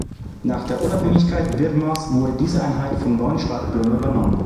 Nach der Unabhängigkeit Birmas wurde diese Einheit vom neuen Staat Birma übernommen.